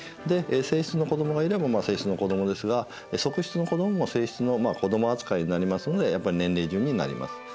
で正室の子どもがいれば正室の子どもですが側室の子どもも正室の子ども扱いになりますのでやっぱり年齢順になります。